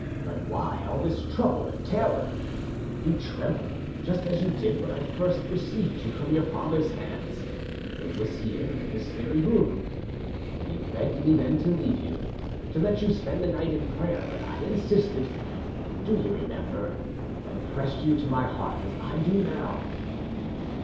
But why all this trouble and terror? You tremble, just as you did when I first received you from your father's hands.... It was here, in this very room.... You begged me then to leave you, to let you spend the night in prayer; but I insisted, do you remember? and pressed you to my heart, as I do now."